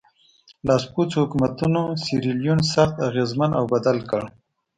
لاسپوڅو حکومتونو سیریلیون سخت اغېزمن او بدل کړ.